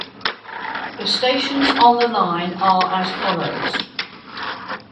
The stations on the line are as follows.